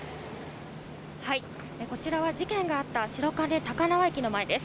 こちらは事件があった白金高輪駅の前です。